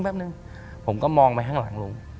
ผมก็มองไปข้างหลังลุง